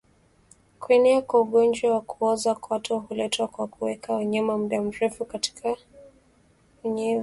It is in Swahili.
Kuenea kwa ugonjwa wa kuoza kwato huletwa kwa kuweka wanyama muda mrefu katika unyevu